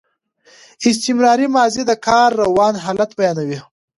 استمراري ماضي د کار روان حالت بیانوي.